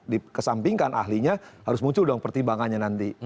dikesampingkan ahlinya harus muncul dong pertimbangannya nanti